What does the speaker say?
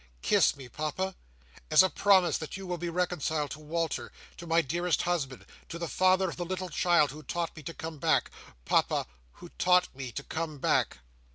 Kiss me, Papa, as a promise that you will be reconciled to Walter—to my dearest husband—to the father of the little child who taught me to come back, Papa Who taught me to come back!"